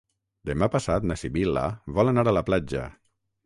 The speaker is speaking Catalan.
Demà passat na Sibil·la vol anar a la platja.